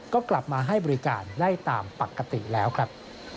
ก็กลับมาให้บริการได้ตามปกติแล้วครับ